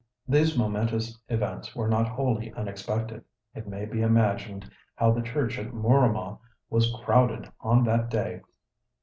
These momentous events were not wholly unexpected. It may be imagined how the church at Mooramah was crowded on that day.